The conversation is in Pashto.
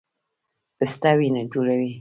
پسته وینه جوړوي